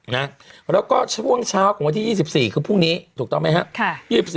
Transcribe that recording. แล้วก็ช่วงเช้าของวันที่๒๔คือพรุ่งนี้ถูกต้องไหมครับ